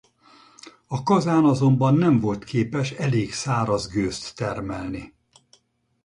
A kazán azonban nem volt képes elég száraz gőzt termelni.